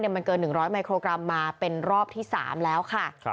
มันเกิน๑๐๐มิโครกรัมมาเป็นรอบที่๓แล้วค่ะ